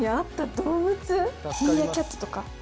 ミーアキャットとか？